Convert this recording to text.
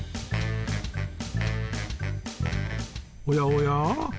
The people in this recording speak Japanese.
おやおや